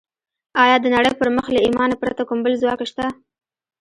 ایا د نړۍ پر مخ له ایمانه پرته کوم بل ځواک شته